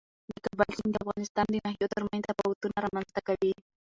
د کابل سیند د افغانستان د ناحیو ترمنځ تفاوتونه رامنځته کوي.